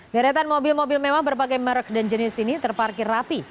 deretan mobil mobil mewah berbagai merek dan jenis ini terparkir rapi